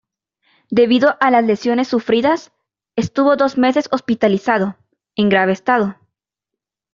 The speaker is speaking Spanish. Debido a las lesiones sufridas, estuvo dos meses hospitalizado, en grave estado.